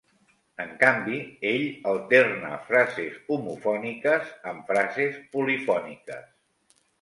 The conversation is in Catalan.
En canvi, ell alterna frases homofòniques amb frases polifòniques.